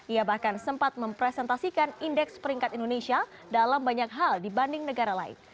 ia bahkan sempat mempresentasikan indeks peringkat indonesia dalam banyak hal dibanding negara lain